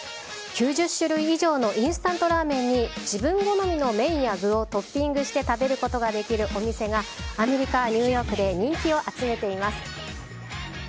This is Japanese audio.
９０種類以上のインスタントラーメンに、自分好みの麺や具をトッピングして食べることができるお店が、アメリカ・ニューヨークで人気を集めています。